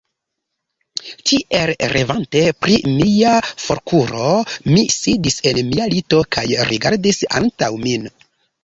Tiel revante pri mia forkuro, mi sidis en mia lito kaj rigardis antaŭ min.